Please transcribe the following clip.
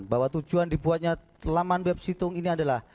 bahwa tujuan dibuatnya laman web situng ini adalah